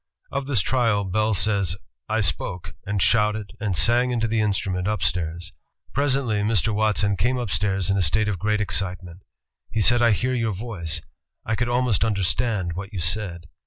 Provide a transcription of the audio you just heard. Of this trial Bell says: *'I spoke, and shouted, and sang into the instrument up stairs. Presently Mr. Watson came upstairs in a state of great excitement. He said: 'I hear your voice; I could almost understand what you said!'